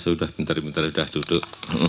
lima belas udah bentar bentar udah duduk